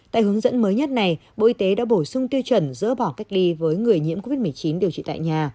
tại hướng dẫn mới nhất này bộ y tế đã bổ sung tiêu chuẩn dỡ bỏ cách ly với người nhiễm covid một mươi chín điều trị tại nhà